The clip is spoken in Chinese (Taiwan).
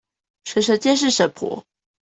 嬸嬸監視嬸婆